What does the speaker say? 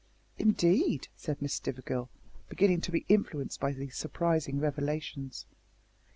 "Indeed!" said Miss Stivergill, beginning to be influenced by these surprising revelations.